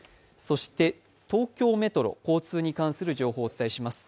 東京メトロ交通に関する情報をお伝えします。